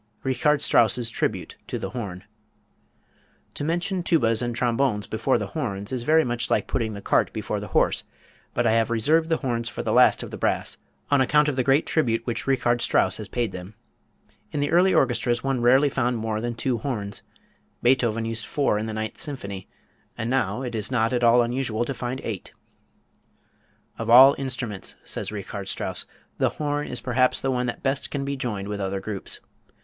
Richard Strauss's Tribute to the Horn. To mention tubas and trombones before the horns is very much like putting the cart before the horse, but I have reserved the horns for the last of the brass on account of the great tribute which Richard Strauss has paid them. In the early orchestras one rarely found more than two horns. Beethoven used four in the Ninth Symphony, and now it is not at all unusual to find eight. "Of all instruments," says Richard Strauss, "the horn is perhaps the one that best can be joined with other groups.